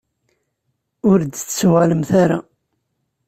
Ur d-tettuɣalemt ara.